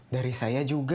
dari saya juga